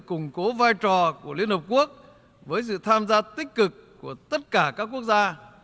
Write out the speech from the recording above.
củng cố vai trò của liên hợp quốc với sự tham gia tích cực của tất cả các quốc gia